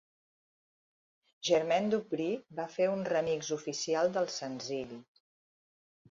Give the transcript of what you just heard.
Jermaine Dupri va fer un remix oficial del senzill.